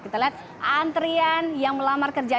kita lihat antrian yang melamar kerja